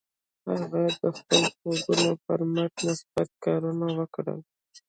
هغه د خپلو خوبونو پر مټ مثبت کارونه وکړل